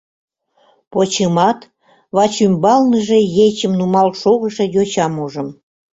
Почымат, вачӱмбалныже ечым нумал шогышо йочам ужым.